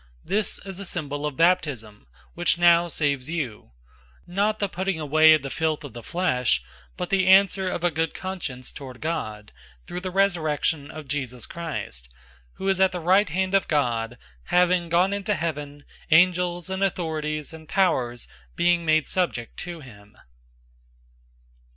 003:021 This is a symbol of baptism, which now saves you not the putting away of the filth of the flesh, but the answer of a good conscience toward God, through the resurrection of Jesus Christ, 003:022 who is at the right hand of God, having gone into heaven, angels and authorities and powers being made subject to him.